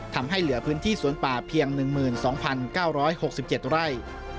ทำให้เหลือพื้นที่สวนป่าเพียง๑๒๙๖๗ไร่